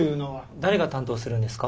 誰が担当するんですか？